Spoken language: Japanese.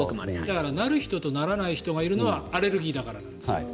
なる人とならない人がいるのはアレルギーだからなんです。